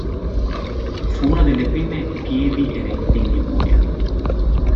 Fu una delle prime pievi erette in Liguria.